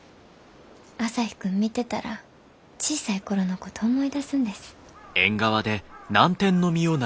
朝陽君見てたら小さい頃のこと思い出すんです。